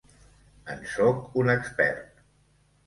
En sóc un expert.